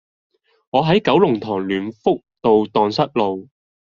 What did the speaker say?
我喺九龍塘聯福道盪失路